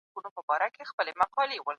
سوله تر جګړې ډېره ګرانه ده.